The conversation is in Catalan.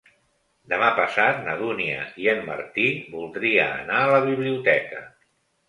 Demà passat na Dúnia i en Martí voldria anar a la biblioteca.